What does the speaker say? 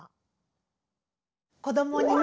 子どもにね